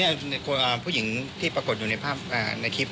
เป็นใครเป็นเพื่อนที่รู้จักกันไปเท่าไหร่